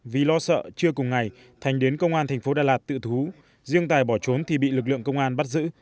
vì lo sợ chưa cùng ngày thành đến công an thành phố đà lạt tự thú riêng tài bỏ trốn thì bị lực lượng công an bắt giữ